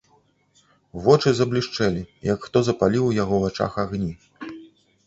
Вочы заблішчэлі, як хто запаліў у яго вачах агні.